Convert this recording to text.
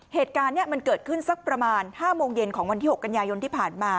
เหตุการณ์นี้มันเกิดขึ้นสักประมาณ๕โมงเย็นของวันที่๖กันยายนที่ผ่านมา